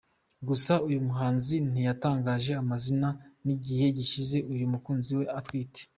Gusa uyu muhanzi ntiyatangaje amazina n’igihe gishize uyu mukunzi we atwite.